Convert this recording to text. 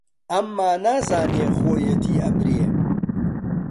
ئەمما نازانێ خۆیەتی ئەبرێ